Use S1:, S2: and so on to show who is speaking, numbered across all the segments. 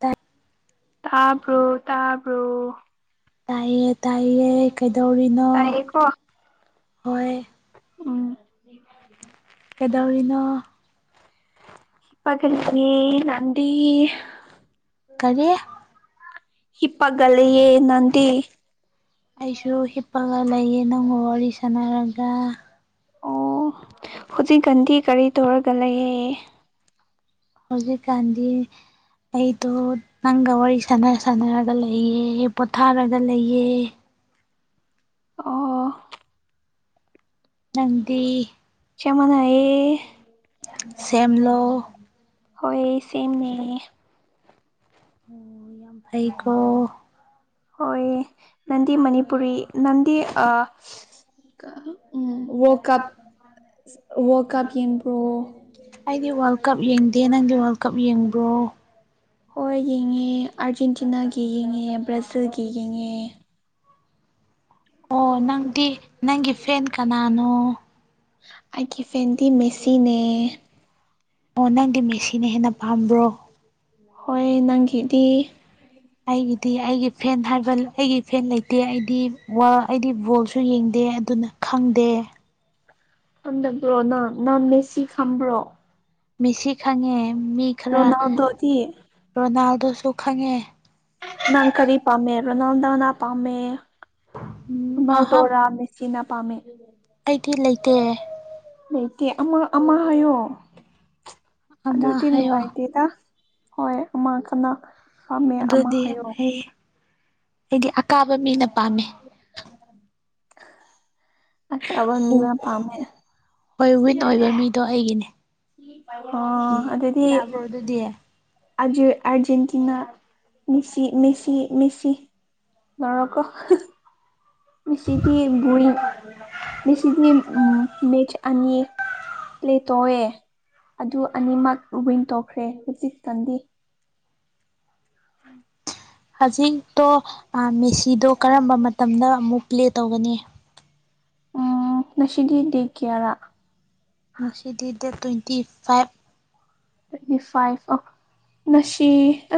S1: ꯇ [unintelligible]
S2: ꯇꯥꯕ꯭ꯔꯣ ꯇꯥꯕ꯭ꯔꯣ
S1: ꯇꯥꯏꯌꯦ ꯇꯥꯏꯌꯦ ꯀꯩꯗꯧꯔꯤꯅꯣ
S2: ꯇꯥꯏꯌꯦꯀꯣ
S1: ꯍꯣꯏ
S2: ꯎꯝ
S1: ꯀꯩꯗꯧꯔꯤꯅꯣ
S2: [unintelligible]
S1: ꯀꯔꯤ
S2: ꯍꯤꯞꯄꯒ ꯂꯩꯌꯦ ꯅꯗꯤ
S1: ꯑꯩꯁꯨ ꯍꯤꯞꯄꯒ ꯂꯩꯌꯦ ꯅꯪꯒ ꯋꯥꯔꯤ ꯁꯥꯟꯅꯔꯒ
S2: ꯑꯣ ꯍꯧꯖꯤꯛꯀꯥꯟꯗꯤ ꯀꯔꯤ ꯇꯧꯔꯒ ꯂꯩꯌꯦ
S1: ꯍꯨꯖꯤꯛ ꯀꯥꯟꯗꯤ ꯑꯩꯗꯣ ꯅꯪꯒ ꯋꯥꯔꯤ ꯁꯥꯟꯅ ꯁꯥꯟꯅꯔꯒ ꯂꯩꯌꯦ ꯄꯣꯊꯥꯔꯒ ꯂꯩꯌꯦ
S2: ꯑꯣ
S1: ꯅꯪꯗꯤ
S2: ꯁꯦꯡ ꯃꯥꯟꯅꯩꯌꯦ
S1: ꯁꯦꯝꯂꯣ
S2: ꯍꯣꯏ ꯁꯦꯝꯅ‌ꯦ
S1: ꯑꯣ ꯌꯥꯝ ꯐꯩꯀꯣ
S2: ꯍꯣꯏ ꯅꯟꯗꯤ ꯃꯅꯤꯄꯨꯔꯤ ꯅꯟꯗꯤ ꯑꯥ ꯀꯥ ꯎꯝ ꯋꯥꯔꯜ ꯀꯞ ꯋꯥꯔꯜ ꯀꯞ ꯌꯦꯟꯕ꯭ꯔꯣ
S1: ꯑꯩꯗꯤ ꯋꯥꯔꯜ ꯀꯞ ꯌꯦꯡꯗꯦ ꯅꯪꯗꯤ ꯋꯥꯔꯜ ꯀꯞ ꯌꯦꯡꯕ꯭ꯔꯣ
S2: ꯍꯣꯏ ꯌꯦꯡꯉꯦ ꯑꯥꯔꯖꯦꯟꯇꯤꯅꯥꯒꯤ ꯌꯦꯡꯉꯦ ꯕ꯭ꯔꯥꯖꯤꯜꯒꯤ ꯌꯦꯡꯉꯦ꯫
S1: ꯑꯣ ꯅꯪꯗꯤ ꯅꯪꯒꯤ ꯐꯦꯟ ꯀꯅꯥꯅꯣ
S2: ꯑꯩꯒꯤ ꯐꯦꯟꯗꯤ ꯃꯦꯁꯤꯅꯦ
S1: ꯑꯣ ꯅꯪꯗꯤ ꯃꯦꯁꯤꯅ ꯍꯦꯟꯅ ꯄꯥꯝꯕ꯭ꯔꯣ
S2: ꯍꯣꯏ ꯅꯪꯒꯤꯗꯤ
S1: ꯑꯩꯒꯤꯗꯤ ꯑꯩꯒꯤ ꯐꯦꯟ ꯍꯥꯏꯕ ꯑꯩꯒꯤ ꯐꯦꯟ ꯂꯩꯇꯦ ꯑꯩꯗꯤ ꯋꯥꯔꯜ ꯑꯩꯗꯤ ꯕꯣꯜ ꯌꯦꯡꯗꯦ ꯑꯗꯨꯅ ꯈꯪꯗꯦ꯫
S2: ꯈꯪꯗꯕ꯭ꯔꯣ ꯅꯪ ꯅꯪ ꯃꯦꯁꯤ ꯈꯪꯕ꯭ꯔꯣ꯫
S1: ꯃꯦꯁꯤ ꯈꯪꯉꯦ ꯃꯤ ꯈꯔ
S2: ꯔꯣꯅꯥꯜꯗꯣꯗꯤ
S1: ꯔꯣꯅꯥꯜꯗꯣꯁꯨ ꯈꯪꯉꯦ꯫
S2: ꯅꯪ ꯀꯔꯤ ꯄꯥꯝꯃꯦ ꯍꯥꯏꯕꯅꫭ ꯅꯪꯅ ꯄꯥꯝꯃꯦ
S1: ꯃꯍꯥꯛ
S2: ꯔ‌ꯣꯅꯥꯜꯗ‌ꯣꯔ ꯃ‌ꯦ ꯁꯤꯅ ꯄꯥꯝꯃꯦ
S1: ꯑꯩꯗꯤ ꯂꯩꯇꯦ꯫
S2: ꯂꯩꯇꯦ ꯑꯃ ꯑꯃ ꯍꯥꯏꯌꯣ
S1: ꯑꯃ
S2: ꯑꯗꯨꯗꯤ
S1: ꯍꯥꯏꯌꯣ
S2: ꯅꯨꯡꯉꯥꯏꯇꯦꯗ ꯍꯣꯏ ꯑꯃ ꯀꯅꯥ ꯄꯥꯝꯃꯦ ꯑꯃ
S1: ꯑꯗꯨꯗꯤ
S2: ꯍꯥꯏꯌꯣ
S1: ꯑꯩ ꯑꯩꯗꯤ ꯑꯀꯥꯕ ꯃꯤꯅ ꯄꯥꯝꯃꯦ꯫
S2: ꯑꯁ ꯑꯕꯥ ꯃꯤꯃꯥ ꯄꯥꯝꯃꯦ
S1: ꯍꯣꯏ ꯋꯤꯟ ꯑꯣꯏꯕ ꯃꯤꯗꯣ ꯑꯩꯒꯤꯅꯦ꯫
S2: ꯑꯣ ꯑꯗꯨꯗꯤ
S1: ꯌꯥꯕ꯭ꯔꯣ ꯑꯗꯨꯗꯤ
S2: ꯑꯖꯦ Argentina Messi Messi Messi Morocco ꯉꯁꯤꯗꯤ ꯕꯨꯏꯡ ꯉꯁꯤꯗꯤ ꯃꯦꯁ ꯑꯅꯤ ꯄꯂꯦ ꯇꯧꯑꯦ ꯑꯗꯨ ꯑꯅꯤꯃꯛ ꯋꯤꯟ ꯇꯧꯈ꯭ꯔꯦ ꯍꯧꯖꯤꯛꯇꯪꯗꯤ
S1: ꯍꯧꯖꯤꯛꯇꯣ ꯑꯥ ꯃꯦꯁꯤꯗꯣ ꯀꯔꯝꯕ ꯃꯇꯝꯗ ꯑꯃꯨꯛ ꯄ꯭ꯂꯦ ꯇꯧꯒꯅꯤ꯫
S2: ꯎꯝ ꯅꯁꯤꯗꯤ ꯗꯦꯠ ꯀꯌꯥꯔꯥ
S1: ꯉꯁꯤꯗꯤ date twenty five
S2: twenty five ꯑꯣ ꯉꯁꯤ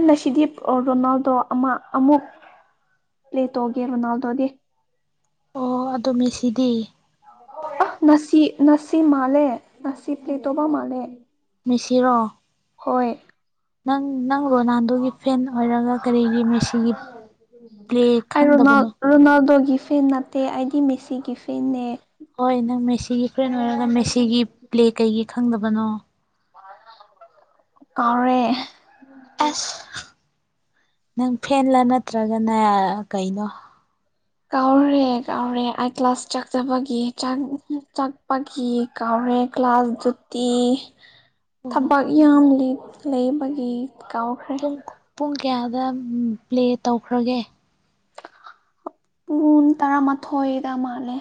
S2: ꯅꯁꯤꯗꯤ ꯔꯣꯅꯥꯜꯗꯣ ꯑꯃ ꯑꯃꯨꯛ ꯄ꯭ꯂꯦ ꯇꯧꯒꯦ ꯔ‌ꯣꯅꯥꯜꯗꯣꯗꯤ
S1: ꯑꯗ‌ꯣ ꯃꯦꯁꯤꯗꯤ
S2: ꯑ ꯉꯁꯤ ꯉꯁꯤ ꯃꯥꯜꯂꯦ ꯉꯁꯤ ꯄ꯭ꯂꯦ ꯇꯧꯕ ꯃꯥꯜꯂꯦ꯫
S1: ꯃꯦꯁꯤꯔꯣ
S2: ꯍꯣꯏ
S1: ꯅꯪ ꯅꯪ ꯔꯣꯅꯥꯜꯗ‌ꯣꯒꯤ ꯐꯦꯟ ꯑꯣꯏꯔꯒ ꯀꯔꯤꯒꯤ ꯃꯦꯁꯤꯒꯤ ꯄ꯭ꯂꯦ
S2: ꯑꯩ ꯔꯣꯅꯥꯜ
S1: ꯈꯪꯗꯕꯅꯣ꯫
S2: ꯔꯣꯅꯥꯜꯗꯣꯒꯤ ꯐꯦꯟ ꯅꯠꯇꯦ ꯑꯩꯗꯤ ꯃꯦꯁꯤꯒꯤ ꯐꯦꯟꯅꯦ꯫
S1: ꯍꯣꯏ ꯅꯪ ꯃꯦꯁꯤꯒꯤ ꯐ꯭ꯔꯦꯟ ꯑꯣꯏꯔꯒ ꯃꯦꯁꯤꯒꯤ ꯄ꯭ꯂꯦ ꯀꯩꯒꯤ ꯈꯪꯗꯕꯅꯣ꯫
S2: ꯀꯥꯎꯔ‌ꯦ
S1: ꯑꯁ ꯅꯪ ꯐꯦꯟꯂꯥ ꯅꯠꯇ꯭ꯔꯒꯅ ꯀꯩꯅꯣ
S2: ꯀꯥꯎꯔꯦ ꯀꯥꯎꯔꯦ ꯑꯩ ꯀ꯭ꯂꯥꯁ ꯆꯥꯛꯆꯕꯒꯤ ꯆꯥꯛ ꯆꯥꯛꯄꯒꯤ ꯀꯥꯎꯔ‌ꯦ ꯀ꯭ꯂꯥꯁ ꯖꯨꯇꯤ
S1: [inaudible]
S2: ꯊꯕꯛ ꯌꯥꯝ ꯂꯩ ꯂꯩꯕꯒꯤ ꯀꯥꯎꯈ꯭ꯔꯦ
S1: ꯄꯨꯡ ꯄꯨꯡ ꯀꯌꯥꯗ ꯄ꯭ꯂꯦ ꯇꯧꯈ꯭ꯔꯒꯦ꯫
S2: ꯄꯨꯡ ꯇꯔꯥꯃꯥꯊꯣꯏꯗ ꯃꯥꯜꯂꯦ꯫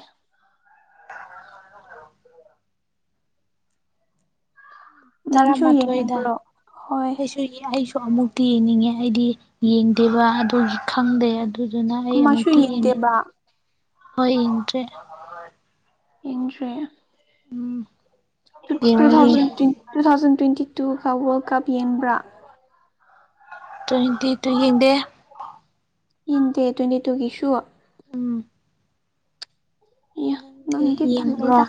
S1: [inaudible] ꯇꯔꯥ
S2: ꯅꯪꯁꯨ
S1: ꯃꯥꯊꯣꯏꯗ
S2: ꯌꯦꯡꯅꯤꯡꯕ꯭ꯔꯣ ꯍꯣꯏ
S1: ꯑꯩꯁꯨ ꯑꯩꯁꯨ ꯑꯃꯨꯛꯇꯤ ꯌꯦꯡꯅꯤꯡꯉꯦ ꯑꯩꯗꯤ ꯌꯦꯡꯗꯦꯕ ꯑꯗꯨꯒꯤ ꯈꯪꯗꯦ ꯑꯗꯨꯗꯨꯅ ꯑꯩ
S2: ꯑꯃꯁꯨ
S1: ꯑꯃꯨꯛꯇꯤ ꯌ‌ꯦꯡꯏ
S2: ꯌꯦꯡꯗꯦꯕ
S1: ꯍꯣꯏ ꯌ‌ꯦꯡꯗ꯭ꯔꯦ
S2: ꯌ‌ꯦꯡꯗ꯭ꯔ‌ꯦ
S1: ꯎꯝ
S2: ꯇꯨ
S1: ꯌꯦꯡꯉꯨ ꯌꯦꯡ
S2: thousand two thousand twenty two world cup ꯌꯦꯡꯕ꯭ꯔꯥ
S1: ꯇ꯭ꯋꯦꯟꯇꯤ ꯇꯨ ꯌ‌ꯦꯡꯗ‌ꯦ
S2: ꯌ‌ꯦꯡꯗꯦ ꯇ꯭ꯋꯦꯟꯇꯤ ꯇꯨꯒꯤ ꯁꯨ
S1: ꯎꯝ
S2: ꯏꯌ ꯅꯪꯗꯤ ꯇꯜꯂꯦꯗ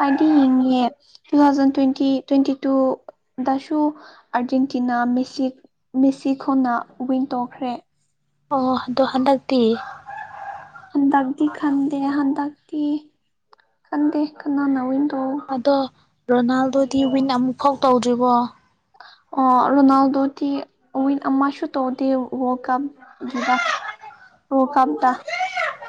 S2: ꯑꯩꯗꯤ ꯌꯦꯡꯉꯦ ꯇꯨ ꯊꯥꯎꯖꯟ ꯇ꯭ꯋꯦꯟꯇꯤ ꯇ꯭ꯋꯦꯟꯇꯤ ꯇꯨꯗꯁꯨ ꯑꯥꯔꯖꯦꯟꯇꯤꯅꯥ ꯃꯦꯁꯤ ꯃꯦꯁꯤꯈꯣꯢꯅ ꯋꯤꯟ ꯇꯣꯛꯈ꯭ꯔꯦ
S1: ꯑꯣ ꯑꯗꯣ ꯍꯟꯗꯛꯇꯤ
S2: ꯍꯟꯗꯛꯇꯤ ꯈꯪꯗꯦ ꯍꯟꯗꯛꯇꯤ ꯈꯪꯗꯦ ꯀꯅꯥꯅ ꯇꯧ
S1: ꯑꯗꯣ ꯔꯣꯅꯥꯜꯗꯣꯗꯤ ꯋꯤꯟ ꯑꯃꯨꯛ ꯐꯥꯎ ꯇꯧꯗ꯭ꯔꯤꯕꯣ
S2: ꯑꯣ ꯔꯣꯅꯥꯜꯗꯣꯗꯤ ꯋꯤꯟ ꯑꯃꯁꯨ ꯇꯧꯗꯦ ꯋꯥꯔꯜ ꯀꯞ ꯑꯗꯨꯗ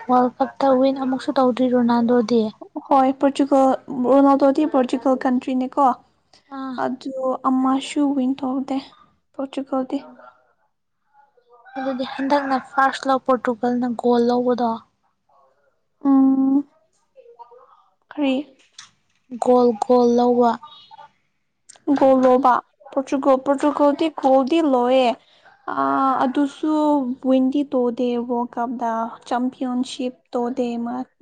S1: ꯋꯥꯔꯜ ꯀꯞꯇ ꯋꯤꯟ ꯑꯃꯨꯛꯁꯨ ꯇꯧꯗ꯭ꯔꯤ ꯔꯣꯅꯥꯜꯗꯣꯗꯤ
S2: ꯍꯣꯏ ꯄꯣꯔꯆꯨꯒꯜ ꯔꯣꯅꯥꯜꯗꯣꯗꯤ ꯄꯣꯔꯆꯨꯒꯜ ꯀꯟꯇ꯭ꯔꯤꯅꯦꯀꯣ
S1: ꯑꯥ
S2: ꯑꯗꯨ ꯑꯃꯥꯁꯨꯨ ꯋꯤꯟ ꯇꯧꯗꯦ ꯄꯣꯠꯇꯨꯒꯣꯟꯗꯤ
S1: ꯑꯗꯨꯗꯤ ꯍꯟꯗꯛꯅ ꯐꯥꯔꯁ ꯂ ꯄꯣꯔꯇꯨꯒꯜꯅ ꯒꯣꯜ ꯂꯧꯕꯗꯣ
S2: ꯑꯝ ꯀ꯭ꯔꯤ
S1: ꯒꯣꯜ ꯒꯣꯜ ꯂꯧꯕ
S2: ꯒꯣꯜ ꯂꯣꯕꯇꯨꯀꯣꯜ ꯄꯣꯔꯇꯨꯔꯤꯀꯣꯜꯗꯤ ꯒꯣꯜꯗꯤ ꯂꯧꯌꯦ ꯑꯗꯨ
S1: ꯎꯝ [inaudible]
S2: ꯋꯤꯟꯗꯤ ꯇꯣꯗꯦ ꯋꯥꯔꯜ ꯀꯞꯇ ꯆꯝꯄꯤꯌꯟꯁꯤꯞ ꯇꯧꯗꯦ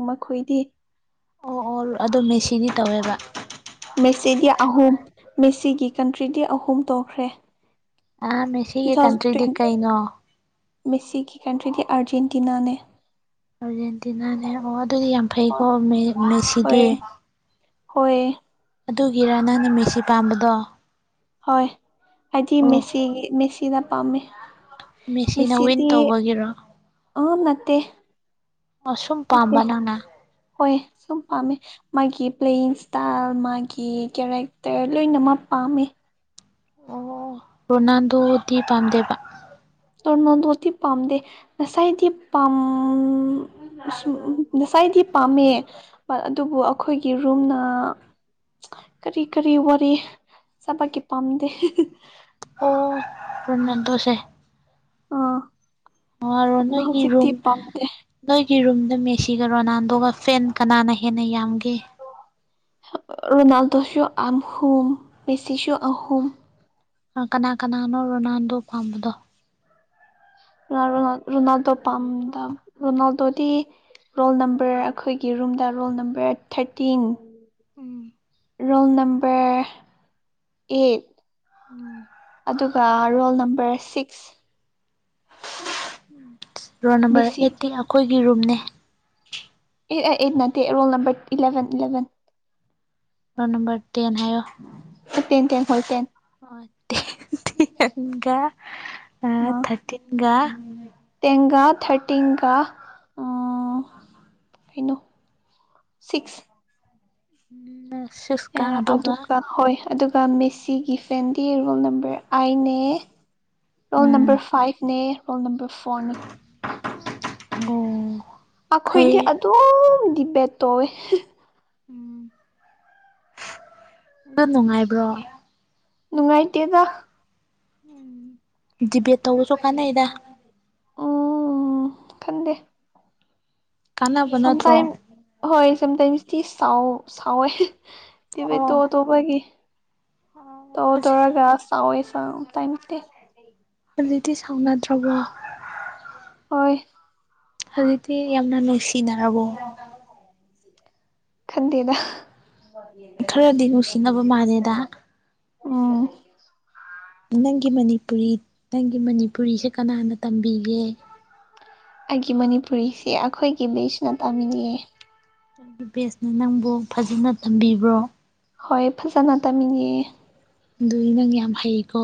S2: ꯃꯈꯣꯏꯗꯤ
S1: ꯑꯣ ꯑꯣ ꯑꯗꯣ ꯃꯦꯁꯤꯗꯤ ꯇꯧꯋꯦꯕ
S2: ꯃꯦꯁꯤꯗꯤ ꯑꯍꯨꯝ ꯃꯦꯁꯤꯒꯤ ꯀꯟꯇ꯭ꯔꯤꯗꯤ ꯑꯍꯨꯝ ꯇꯧꯈ꯭ꯔꯦ
S1: ꯑꯥ ꯃꯦꯁꯤ
S2: ꯇꯨ ꯊꯥꯎꯖꯟ ꯇ꯭ꯋꯦꯟꯇꯤ ꯃꯦꯁꯤꯒꯤ ꯀꯟꯇ꯭ꯔꯤꯗꯤ ꯑꯥꯔꯖꯦꯟꯇꯤꯅꯥꯅꯦ
S1: ꯑꯔꯖꯦꯟꯇꯤꯅꯅꯦ ꯑꯣ ꯑꯗꯨꯗꯤ ꯌꯥꯝ ꯐꯩꯀꯣ ꯃꯦ
S2: ꯍꯣꯏ
S1: ꯃꯦꯁꯤꯗꯤ
S2: ꯍꯣꯏ
S1: ꯑꯗꯨꯒꯤꯔꯥ ꯅꯪꯅ ꯃꯦꯁꯤ ꯄꯥꯝꯕꯗꯣ
S2: ꯍꯣꯏ ꯑꯩꯗꯤ
S1: ꯑꯣ
S2: ꯃꯦꯁꯤꯒꯤ ꯃꯦꯁꯤꯗ ꯄꯥꯝꯃꯦ
S1: ꯃꯦꯁꯤꯅ ꯋꯤꯟ
S2: ꯃꯦꯁꯤꯗꯤ
S1: ꯇꯧꯕꯒꯤꯔꯣ
S2: ꯑꯥ ꯅꯠꯇꯦ
S1: ꯁꯨꯝ
S2: ꯅꯠꯇꯦ
S1: ꯄꯥꯝꯕ ꯅꯪꯅ
S2: ꯍꯣꯏ ꯁꯨꯝ ꯄꯥꯝꯃꯦ ꯃꯥꯒꯤ ꯄ꯭ꯂꯦꯌꯤꯡ ꯏꯁꯇꯥꯏꯜ ꯃꯥꯒꯤ ꯀꯦꯔꯦꯛꯇꯔ ꯂꯣꯏꯅꯃꯛ ꯄꯥꯝꯃꯦ
S1: ꯑꯣ ꯔꯣꯅꯥꯜꯗꯣꯗꯤ ꯄꯝꯗꯦꯕ
S2: ꯇꯔꯃꯣꯟꯗꯣꯗꯤ ꯄꯥꯝꯗꯦ ꯉꯁꯥꯏꯗꯤ ꯄꯥ ꯉꯁꯥꯏꯗꯤ ꯄꯥꯝꯃꯦ ꯑꯗꯨꯕꯨ ꯑꯩꯈꯣꯏꯒꯤ ꯔꯨꯝꯅ ꯀꯔꯤ ꯀꯔꯤ ꯋꯥꯔꯤ ꯁꯥꯕꯀꯤ ꯄꯥꯝꯗꯦ
S1: ꯑꯣ ꯔꯣꯅꯥꯟꯗꯣꯁꯦ
S2: ꯑꯥ
S1: ꯃꯥꯔꯣ ꯅꯣꯏꯒꯤ
S2: ꯍꯧꯖꯤꯛꯇꯤ
S1: ꯔꯨꯝ
S2: ꯄꯥꯝꯗꯦ
S1: ꯅꯣꯏꯒꯤ ꯔꯨꯝꯗ ꯃꯦꯁꯤꯒ ꯔꯣꯅꯥꯜꯗꯣꯒ ꯐꯦꯟ ꯀꯅꯥꯅ ꯍꯦꯟꯅ ꯌꯥꯝꯒꯦ
S2: ꯔꯅꯥꯜꯗꯣꯁꯨ ꯑꯍꯨꯝ ꯃꯦꯁꯤꯁꯨ ꯑꯍꯨꯝ
S1: ꯑꯥ ꯀꯅꯥ ꯀꯅꯥꯅꯣ ꯔꯣꯅꯥꯜꯗꯣ ꯄꯥꯝꯕꯗꯣ
S2: [unintelligible] ꯔꯣꯅꯥꯜꯗꯣ ꯄꯥꯝꯗ ꯔꯣꯅꯥꯜꯗꯣꯗꯤ ꯔꯣꯜ ꯅꯝꯕꯔ ꯑꯈꯣꯏꯒꯤ ꯔꯨꯝꯗ roll number thirteen
S1: um
S2: roll number eight
S1: um
S2: ꯑꯗꯨꯒ roll number six
S1: roll number
S2: ꯃꯦꯁꯤꯒꯤ
S1: ꯑꯦꯠꯇꯤ ꯑꯩꯈꯣꯏꯒꯤ ꯔꯨꯝꯅꯦ
S2: ꯑꯦ ꯑꯩꯠ ꯅꯠꯇꯦ roll number eleven eleven
S1: roll number ten
S2: ten ten ꯍꯣꯏ ꯇꯦꯟ
S1: ꯑꯣ ꯇꯦꯟ ꯇꯦꯟꯒ ꯑ ꯊꯔꯇꯤꯟꯒ
S2: ꯇꯦꯟꯒꯥ ꯊꯔꯇꯤꯟꯒꯥ ꯑꯥ ꯀꯩꯩꯅꯣ ꯁꯤꯛꯁ
S1: [unintelligible]
S2: ꯑꯦ ꯑꯗꯨꯒ ꯍꯣꯏ ꯑꯗꯨꯒ ꯃꯦꯁꯤꯒꯤ ꯐꯦꯟꯗꯤ ꯔꯣꯜ ꯅꯝꯕꯔ ꯑꯥꯏꯅꯦ ꯔꯣꯜ
S1: ꯎꯝ
S2: ꯅꯝꯕꯔ ꯐꯥꯏꯚꯅꯦ ꯔꯣꯜ ꯅꯝꯕꯔ ꯐꯣꯔꯅꯦ
S1: [unintelligible]
S2: ꯑꯈꯣꯏꯗꯤ
S1: ꯐꯩ
S2: ꯑꯗꯨꯝ ꯗꯤꯕꯦꯠ ꯇꯣꯋꯦ
S1: ꯎꯝ ꯗꯨ ꯅꯨꯡꯉꯥꯏꯕ꯭ꯔꯣ
S2: ꯅꯨꯡꯉꯥꯏꯇꯦꯗ
S1: ꯎꯝ ꯗꯤꯕꯦꯠ ꯇꯧꯕꯁꯨ ꯀꯥꯟꯅꯩꯗ
S2: ꯎꯝ ꯈꯟꯗꯦ
S1: ꯀꯥꯟꯅꯕ ꯅꯠꯇ꯭ꯔꯣ
S2: ꯁꯝꯇꯥꯏꯝ ꯍꯣꯏ ꯁꯝꯇꯥꯏꯝ ꯃꯤꯁꯇꯤꯁ ꯁꯥꯎ ꯁꯥꯎꯋꯦ
S1: ꯑꯣ
S2: ꯗꯤꯕꯦꯠꯇꯣꯗꯣ ꯍꯣꯏꯒꯤ ꯇꯧ
S1: ꯍꯧꯖꯤꯛ
S2: ꯇꯧꯔꯒ ꯁꯥꯎꯋꯦ ꯁꯥꯎꯋꯦ ꯇꯥꯏꯃꯦꯇꯦ
S1: ꯍꯧꯖꯤꯛꯇꯤ ꯁꯥꯎꯅꯗ꯭ꯔꯕꯣ
S2: ꯍꯣꯏ
S1: ꯍꯧꯖꯤꯛꯇꯤ ꯌꯥꯝꯅ ꯅꯨꯡꯁꯤꯅꯔꯕꯣ
S2: ꯈꯟꯗꯦꯗ
S1: ꯈꯔꯗꯤ ꯅꯨꯡꯁꯤꯅꯕ ꯃꯥꯜꯂꯦꯗ
S2: ꯎꯝ
S1: ꯅꯪꯒꯤ ꯃꯅꯤꯄꯨꯔꯤ ꯅꯪꯒꯤ ꯃꯅꯤꯄꯨꯔꯤꯁꯦ ꯀꯅꯥꯅ ꯇꯝꯕꯤꯒꯦ
S2: ꯑꯩꯒꯤ ꯃꯅꯤꯄꯨꯔꯤꯁꯦ ꯑꯈꯣꯏꯒꯤ ꯃꯤꯁꯅ ꯇꯥꯝꯃꯤꯅꯦ
S1: [unintelligible] ꯅꯪꯕꯨ ꯐꯖꯅ ꯇꯝꯕꯤꯕ꯭ꯔꯣ
S2: ꯍꯣꯏ ꯐꯖꯅ ꯇꯝꯃꯤꯅꯦ
S1: ꯑꯗꯨꯏ ꯅꯪ ꯌꯥꯝ ꯍꯩꯀꯣ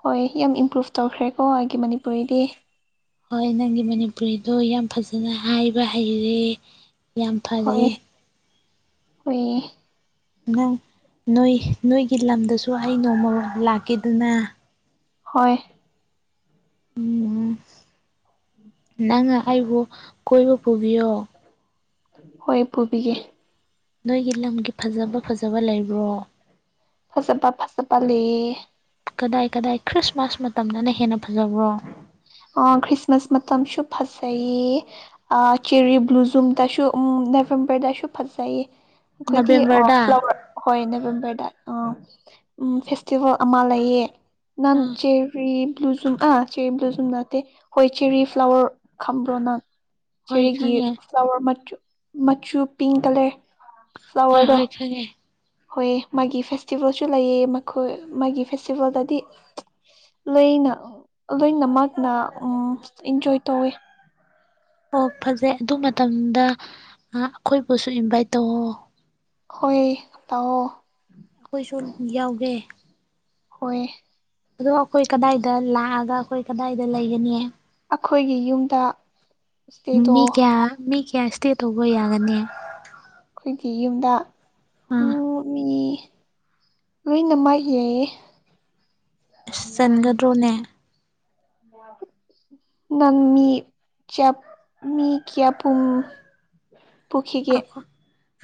S2: ꯍꯣꯏ ꯌꯥꯝ ꯏꯝꯄ꯭ꯔꯨꯨꯞ ꯇꯧꯈ꯭ꯔꯦꯀꯣ ꯑꯩꯒꯤ ꯃꯅꯤꯄꯨꯔꯤꯗꯤ
S1: ꯍꯣꯏ ꯅꯪꯒꯤ ꯃꯅꯤꯄꯨꯔꯤꯗꯣ ꯌꯥꯝ ꯐꯖꯅ ꯍꯥꯏꯕ ꯍꯩꯔꯦ ꯌꯥꯝ
S2: ꯍꯣꯏ
S1: ꯐꯔꯦ
S2: ꯍꯣꯏꯌꯦ
S1: ꯅꯪ ꯅꯣꯏ ꯅꯣꯏꯒꯤ ꯂꯝꯗꯁꯨ ꯑꯩ ꯅꯣꯡꯃ ꯂꯥꯛꯀꯦꯗꯅ
S2: ꯍꯣꯏ
S1: ꯅꯪ ꯑꯩꯕꯨ ꯀꯣꯏꯕ ꯄꯨꯕꯤꯌꯣ
S2: ꯍꯣꯏ ꯄꯨꯕꯤꯒꯦ
S1: ꯅꯣꯏꯒꯤ ꯂꯝꯒꯤ ꯐꯖꯕ ꯐꯖꯕ ꯂꯩꯕ꯭ꯔꯣ
S2: ꯐꯖꯕ ꯐꯖꯕ ꯂꯩꯌꯦ
S1: ꯀꯗꯥꯏ ꯀꯗꯥꯏ ꯈ꯭ꯔꯤꯁꯃꯥꯁ ꯃꯇꯝꯗꯅ ꯍꯦꯟꯅ ꯐꯖꯕ꯭ꯔꯣ
S2: ꯑꯣ ꯈ꯭ꯔꯤꯁꯃꯥꯁ ꯃꯇꯝꯁꯨ ꯐꯖꯩꯏ ꯑ ꯆꯦꯔꯤ ꯕ꯭ꯂꯨꯖꯨꯝ ꯇꯁꯨ ꯎꯝ ꯅꯦꯕꯦꯝꯕꯔꯗꯥꯁꯨ ꯐꯖꯩꯌꯦ ꯑꯩꯈꯣꯏꯗꯤ
S1: ꯅꯕꯦꯝꯕꯔꯗ
S2: ꯑꯣꯐ ꯂꯧꯔꯦ ꯍꯣꯏ ꯅꯦꯕꯦꯝꯕꯔꯗ ꯑꯥ ꯎꯝ ꯐꯦꯁꯇꯤꯚꯦꯜ ꯑꯃ ꯂꯩꯌꯦ ꯅꯪ
S1: ꯑꯥ
S2: ꯆꯦꯔꯤ ꯕ꯭ꯂꯨꯖꯨꯝ ꯑ ꯆꯦꯔꯤ ꯕ꯭ꯂꯨꯖꯨꯝ ꯕ꯭ꯂꯨꯖꯨꯝ ꯅꯠꯇꯦ ꯍꯣꯏ ꯆꯦꯔꯤ ꯐ꯭ꯂꯥꯋꯔ ꯈꯝꯕ꯭ꯔꯣ ꯅꯪ
S1: ꯍꯣꯏ
S2: ꯆꯦꯔꯤꯒꯤ
S1: ꯈꯪꯉꯦ
S2: ꯐ꯭ꯂꯥꯋꯔ ꯃꯆꯨ ꯃꯆꯨ ꯄꯤꯡ ꯀꯂꯔ
S1: ꯍꯣꯏ ꯍꯣꯏ ꯈꯪꯉꯦ
S2: ꯍꯣꯏꯌꯦ ꯃꯥꯒꯤ ꯐꯦꯁꯇꯤꯚꯦꯜꯁꯨ ꯂꯩꯌꯦ ꯃꯈꯣꯏ ꯃꯥꯒꯤ ꯐꯦꯁꯇꯤꯚꯦꯜꯗꯗꯤ ꯂꯩꯅ ꯂꯣꯏꯅꯃꯛꯅ ꯎꯝ ꯏꯟꯖꯣꯏ ꯇꯧꯋꯤ
S1: ꯑꯣ ꯐꯖꯩ ꯑꯗꯨ ꯃꯇꯝꯗ ꯑꯥ ꯑꯩꯈꯣꯏꯕꯨꯁꯨ ꯏꯟꯚꯥꯏꯠ ꯇꯧꯑꯣ
S2: ꯍꯣꯏ ꯇꯧꯑꯣ
S1: ꯑꯩꯈꯣꯏꯁꯨ ꯌꯥꯎꯒꯦ
S2: ꯍꯣꯏ
S1: ꯑꯗꯣ ꯑꯩꯈꯣꯏ ꯀꯗꯥꯏꯗ ꯂꯥꯛ ꯑꯒ ꯑꯩꯈꯣꯏ ꯀꯗꯥꯏꯗ ꯂꯩꯒꯅꯤ
S2: ꯑꯩꯈꯣꯏꯒꯤ ꯌꯨꯝꯗ ꯏꯁꯇꯦꯗꯣ
S1: ꯃꯤ ꯀꯌꯥ ꯃꯤ ꯀꯌꯥ ꯏꯁꯇꯦ ꯇꯧꯕ ꯌꯥꯒꯅꯤ
S2: ꯑꯩꯈꯣꯏꯒꯤ ꯌꯨꯝꯗ
S1: ꯑꯥ
S2: ꯎꯝ ꯃꯤ ꯂꯣꯏꯅꯃꯛ ꯌꯥꯢꯌꯦ
S1: ꯑꯁ ꯆꯟꯒꯗ꯭ꯔꯣꯅꯦ
S2: ꯅꯪ ꯃꯤ ꯆꯞ ꯃꯤ ꯀꯌꯥ ꯄꯨꯡ ꯄꯨꯈꯤꯒꯦ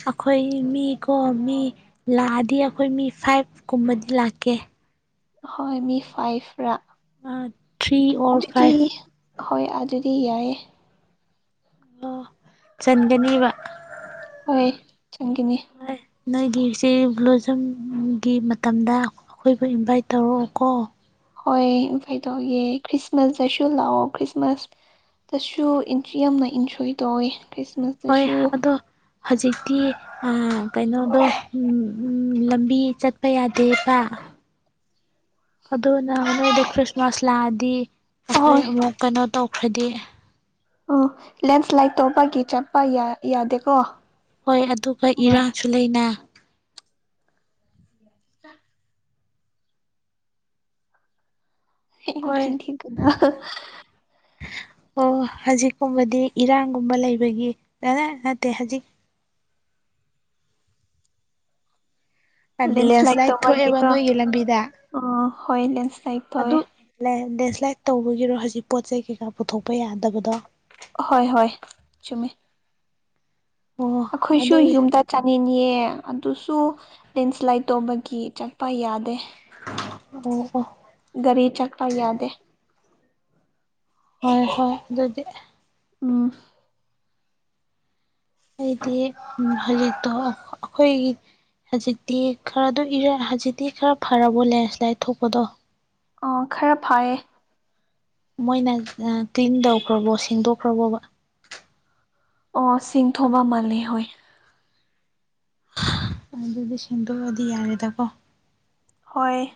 S1: ꯑꯩꯈꯣꯏ ꯃꯤꯀꯣ ꯃꯤ ꯂꯥꯛ ꯑꯗꯤ ꯑꯩꯈꯣꯏ ꯃꯤ ꯐꯥꯏꯚ ꯀꯨꯝꯕꯗꯤ ꯂꯥꯛꯀꯦ
S2: ꯍꯣꯏ ꯃꯤ ꯐꯥꯏꯚ ꯔꯥ
S1: ꯊ꯭ꯔꯤ ꯑꯣꯔ
S2: ꯑꯗꯨꯗꯤ
S1: ꯐꯥꯏꯚ
S2: ꯍꯣꯏ ꯑꯗꯨꯗꯤ ꯌꯥꯏꯌꯦ
S1: ꯑꯣ ꯆꯟꯒꯅꯤꯕ
S2: ꯍꯣꯏ ꯆꯟꯒꯥꯅꯤ
S1: ꯍꯣꯏ ꯅꯣꯏꯒꯤꯁꯦ ꯒ꯭ꯂꯨꯖꯝꯒꯤ ꯃꯇꯝꯗ ꯑꯩꯈꯣꯏꯕꯨ ꯏꯟꯚꯥꯏꯠ ꯇꯧꯔꯛꯑꯣ ꯀꯣ
S2: ꯍꯣꯏ ꯏꯟꯐꯩꯠ ꯇꯧꯒꯦ ꯈ꯭ꯔꯤꯁꯃꯥꯁꯇꯁꯨ ꯂꯥꯛꯑꯣ ꯈ꯭ꯔꯤꯁꯃꯥꯁ ꯇꯁꯨ ꯏꯟꯇ꯭ꯔꯤ ꯌꯥꯝꯅ ꯏꯟꯖꯣꯏ ꯇꯧꯌꯦ ꯈ꯭ꯔꯤꯁꯃꯥꯁ
S1: ꯍꯣꯏ ꯑꯗꯣ ꯍꯥꯖꯤꯛꯇꯤ ꯑꯥ ꯀꯩꯅꯣꯗꯣ ꯎꯝ ꯂꯝꯕꯤ ꯆꯠꯄ ꯌꯥꯗꯦꯄꯥꯥ ꯑꯗꯨꯅ ꯅꯣꯏꯗ ꯈ꯭ꯔꯤꯁꯃꯥꯁ ꯂꯥꯛ ꯑꯗꯤ ꯑꯩꯈꯣꯏ
S2: ꯑꯍꯣꯏ
S1: ꯑꯃꯨꯛ ꯀꯩꯅꯣ ꯇꯧꯈ꯭ꯔꯗꯤ
S2: ꯑꯥ ꯂꯦꯟꯁ꯭ꯂꯥꯏꯗ ꯇꯧꯕꯒꯤ ꯆꯠꯄ ꯌꯥ ꯌꯥꯗꯦꯀꯣ
S1: ꯍꯣꯏ ꯑꯗꯨꯒ ꯏꯔꯥꯡꯁꯨ ꯂꯩꯅ
S2: ꯑ ꯍꯦ ꯍꯦ
S1: ꯍꯣꯏ
S2: ꯆꯤꯟ ꯊꯤꯒꯅꯣ
S1: ꯑꯣ ꯍꯥꯖꯤꯛꯀꯨꯝꯕꯗꯤ ꯏꯔꯥꯡꯒꯨꯝꯕ ꯂꯩꯕꯒꯤ ꯑꯥ ꯅꯠꯇꯦ ꯍꯥꯖꯤꯛ
S2: ꯂꯦꯟꯁ꯭ꯂꯥꯏꯠ
S1: ꯂꯦꯟꯁ꯭ꯂꯥꯏꯗ ꯊꯣꯛ ꯑꯦꯕ
S2: ꯇꯧꯕꯒꯤꯀꯣ
S1: ꯅꯣꯏꯒꯤ ꯂꯝꯕꯤꯗ
S2: ꯑꯣ ꯍꯣꯏ ꯂꯦꯟꯁ꯭ꯂꯥꯏꯠ ꯇꯧꯋꯦ
S1: ꯑꯗꯨ ꯂꯦꯟ ꯂꯦꯟꯁ꯭ꯂꯥꯏꯗ ꯇꯧꯕꯒꯤꯔꯣ ꯍꯥꯖꯤꯛ ꯄꯣꯠ ꯆꯩ ꯀꯩꯀꯥ ꯄꯨꯊꯣꯛꯄ ꯌꯥꯗꯕꯗꯣ
S2: ꯍꯣꯏ ꯍꯣꯏ ꯆꯨꯝꯃꯦ
S1: ꯑꯣ
S2: ꯑꯩꯈꯣꯏꯁꯨ
S1: ꯑꯗꯨꯒꯤ
S2: ꯌꯨꯝꯗꯠ ꯆꯠꯅꯤꯡꯉꯦ ꯑꯗꯨꯁꯨ ꯂꯦꯟꯁ꯭ꯂꯥꯏꯗ ꯇꯧꯕꯒꯤ ꯆꯠꯄ ꯌꯥꯗꯦ
S1: ꯑꯣ ꯑꯣ
S2: ꯒꯥꯔꯤ ꯆꯠꯄ ꯌꯥꯗꯦ
S1: ꯍꯣꯏ ꯍꯣꯏ ꯑꯗꯨꯗꯤ
S2: ꯎꯝ
S1: ꯑꯩꯗꯤ ꯍꯧꯖꯤꯛꯇꯣ ꯑꯩꯈꯣꯏ ꯍꯧꯖꯤꯛꯇꯤ ꯈꯔꯗ ꯍꯧꯖꯤꯛꯇꯤ ꯈꯔ ꯐꯔꯕꯣ ꯂꯦꯟꯁ꯭ꯂꯥꯏꯠ ꯊꯣꯛꯄꯗꯣ
S2: ꯑ ꯈꯔ ꯐꯩ
S1: ꯃꯣꯏꯅ ꯀ꯭ꯂꯤꯟ ꯇꯧꯈ꯭ꯔꯕꯣ ꯁꯦꯡꯗꯣꯛꯈ꯭ꯔꯕꯣ
S2: ꯑꯣ ꯁꯤꯡ ꯊꯣꯕ ꯃꯥꯜꯂꯦ ꯍꯣꯏ
S1: ꯑꯗꯨꯗꯤ ꯁꯦꯝꯗꯣꯛꯑꯗꯤ ꯌꯥꯔꯦꯗꯀꯣ
S2: ꯍꯣꯏ